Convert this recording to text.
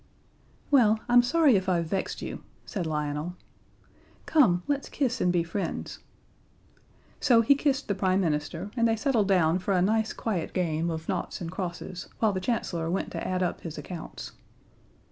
"Well, I'm sorry if I've vexed you," said Lionel. "Come, let's kiss and be friends." So he kissed the Prime Minister, and they settled down for a nice quiet game of noughts and crosses while the Chancellor went to add up his accounts.